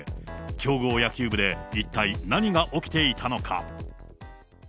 強豪野球部で一体何が起きていたのか。